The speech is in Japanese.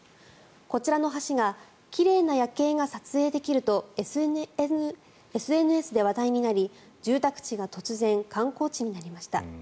こちらの橋が奇麗な夜景が撮影できるとＳＮＳで話題になり住宅地が突然観光地になりました。